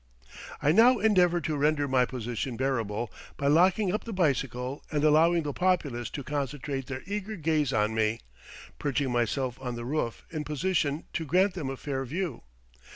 I now endeavor to render my position bearable by locking up the bicycle and allowing the populace to concentrate their eager gaze on me, perching myself on the roof in position to grant them a fair view.